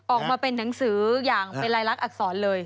ออกมาเป็นหนังสืออย่างเป็นรายลักษณอักษรเลย